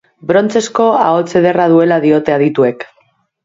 Brontzezko ahots ederra duela diote adituek.